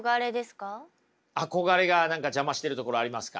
憧れが何か邪魔してるところありますか？